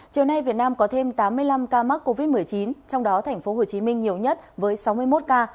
chiều nay việt nam có thêm tám mươi năm ca mắc covid một mươi chín trong đó tp hcm nhiều nhất với sáu mươi một ca